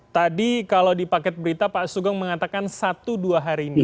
tadi kalau di paket berita pak sugeng mengatakan satu dua hari ini